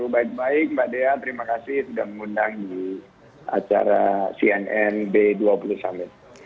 baik baik mbak dea terima kasih sudah mengundang di acara cnn b dua puluh summit